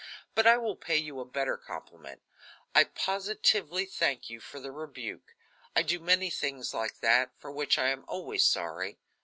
"But I will pay you a better compliment. I positively thank you for the rebuke. I do many things like that, for which I am always sorry.